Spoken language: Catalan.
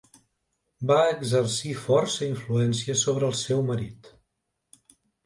Va exercir força influència sobre el seu marit.